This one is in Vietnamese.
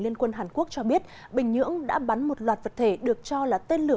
liên quân hàn quốc cho biết bình nhưỡng đã bắn một loạt vật thể được cho là tên lửa